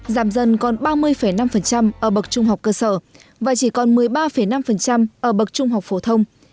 giảm dần còn ba mươi năm ở bậc trung học cơ sở và chỉ còn một mươi ba năm ở bậc trung học phổ thông